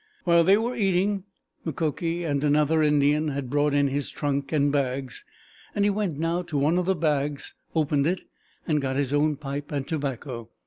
While they were eating, Mukoki and another Indian had brought in his trunk and bags, and he went now to one of the bags, opened it, and got his own pipe and tobacco.